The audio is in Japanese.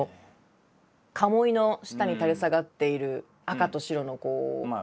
かもいの下に垂れ下がっている赤と白のこう。